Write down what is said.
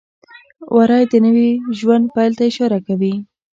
وری د نوي ژوند پیل ته اشاره کوي.